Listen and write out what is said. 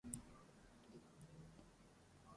یک عمر نازِ شوخیِ عنواں اٹھایئے